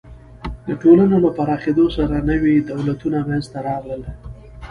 د ټولنو له پراخېدو سره نوي دولتونه منځ ته راغلل.